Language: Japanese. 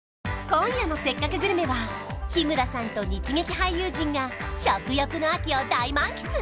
今夜の「せっかくグルメ」は日村さんと日劇俳優陣が食欲の秋を大満喫